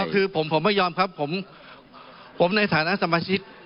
คือผมไม่ยอมครับผมในฐานะสมาชิก